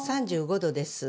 ３５度です。